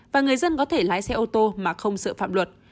và người dân có thể lái xe ô tô mà không sợ phạm luật